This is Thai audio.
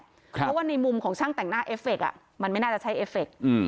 เพราะว่าในมุมของช่างแต่งหน้าเอฟเฟคมันไม่น่าจะใช้เอฟเฟค